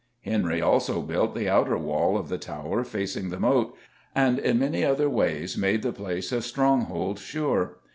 Henry also built the outer wall of the Tower facing the Moat, and in many other ways made the place a stronghold sure.